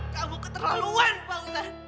kamu keterlaluan fauzan